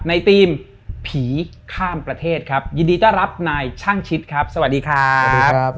ในทีมผีข้ามประเทศครับยินดีจะรับนายช่างชิตครับสวัสดีครับ